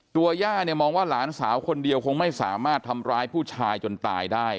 ย่าเนี่ยมองว่าหลานสาวคนเดียวคงไม่สามารถทำร้ายผู้ชายจนตายได้